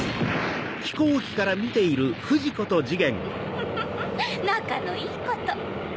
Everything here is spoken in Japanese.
フフフ仲のいいこと。